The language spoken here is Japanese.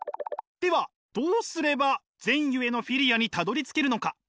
ではどうすれば善ゆえのフィリアにたどりつけるのか？